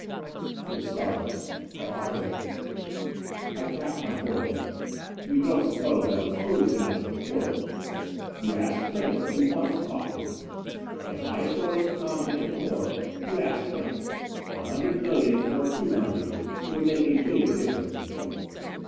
It startled him. "Where are they?" I tapped my forehead. "You don't suppose I was foolish enough to record them. You ask Prince if he wants to talk to me. A high thorium content in ore you ask Prince. A hundred millions, or two hundred. It would make a big difference, Miko."